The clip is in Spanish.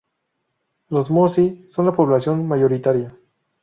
Los mossi son la población mayoritaria.